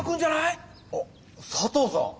あっ佐藤さん！